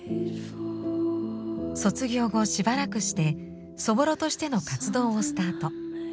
卒業後しばらくして「そぼろ」としての活動をスタート。